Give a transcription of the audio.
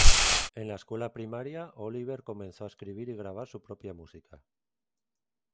En la escuela primaria, Oliver comenzó a escribir y grabar su propia música.